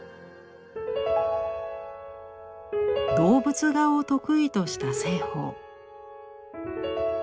動物画を得意とした栖鳳。